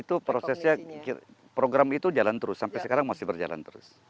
itu prosesnya program itu jalan terus sampai sekarang masih berjalan terus